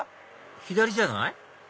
左じゃない？